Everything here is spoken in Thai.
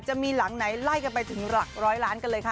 จะมีหลังไหนไล่กันไปถึงหลักร้อยล้านกันเลยค่ะ